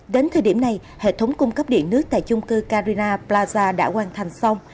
đến thời điểm này hệ thống cung cấp điện nước tại chung cư carina plaza đã hoàn thành xong